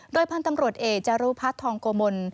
โดยพันธ์ตำรวจเอกจารุพัฒน์ทองโกมล